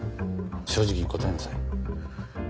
正直に答えなさい。